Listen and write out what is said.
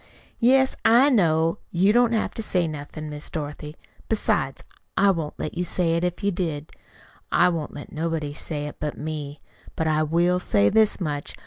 "Yes, I know. You don't have to say nothin', Miss Dorothy. Besides, I wouldn't let you say it if you did. I won't let nobody say it but me. But I will say this much.